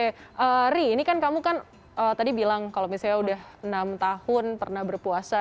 oke ri ini kan kamu kan tadi bilang kalau misalnya udah enam tahun pernah berpuasa